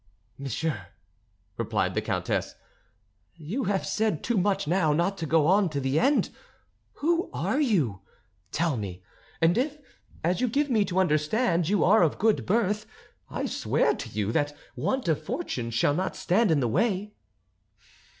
"Monsieur," replied the countess, "you have said too much now not to go on to the end. Who are you? Tell me. And if, as you give me to understand, you are of good birth, I swear to you that want of fortune shall not stand in the way."